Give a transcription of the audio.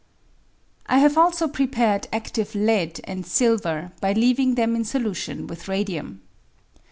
I have also prepared adive lead and silver by leaving them in solution with radium.